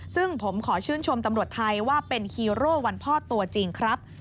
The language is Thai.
ซึ่งผมขอชื่นชมตำรวจไทยว่าเป็นฮีโร่วันพ่อตัวจริงครับ